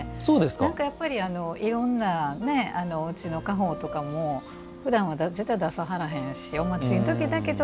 なんかやっぱりいろんなうちの家宝とかもふだんは、絶対出さないし。